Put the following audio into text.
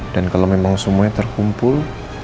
dan kalau memang semuanya terkumpul